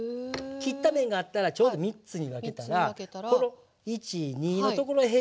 切った面があったらちょうど３つに分けたらこの１２のとこらへんに目がけて入れます。